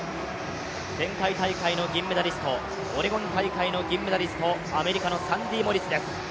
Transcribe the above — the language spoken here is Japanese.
前回大会の銀メダリスト、オレゴン大会の銀メダリスト、アメリカのモリスです。